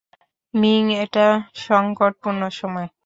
Ming, এটা সংকটপূর্ণ সময়।